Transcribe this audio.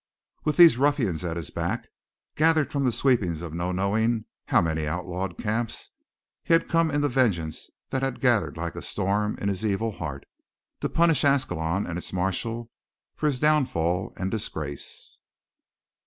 With these ruffians at his back, gathered from the sweepings of no knowing how many outlawed camps, he had come in the vengeance that had gathered like a storm in his evil heart, to punish Ascalon and its marshal for his downfall and disgrace.